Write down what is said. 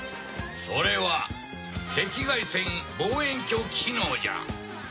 それは赤外線望遠鏡機能じゃ。